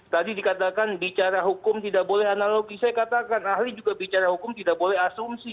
tadi dikatakan bicara hukum tidak boleh analogi saya katakan ahli juga bicara hukum tidak boleh asumsi